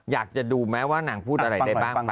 อยากจะดูไหมว่านางพูดอะไรได้บ้างป